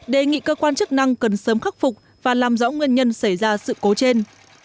đề nghị cơ quan chức năng cần sớm khắc phục và làm rõ nguyên nhân xảy ra sự cố trên